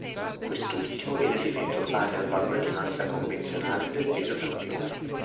Quest'ultimo viene definito pari al valore di massa convenzionale del peso campione.